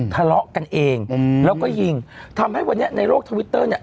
ทะเลาะกันเองแล้วก็ยิงทำให้วันนี้ในโลกทวิตเตอร์เนี่ย